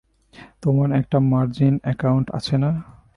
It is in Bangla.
তোমার একটা মার্জিন একাউন্ট আছে না?